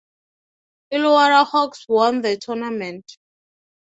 Illawarra Hawks won the tournament.